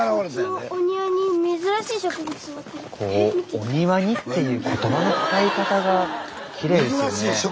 「お庭に」っていう言葉の使い方がきれいですよね。